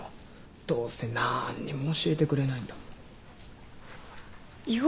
どうせなんにも教えてくれないんだもん。